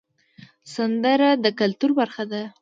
سندره د کلتور برخه ده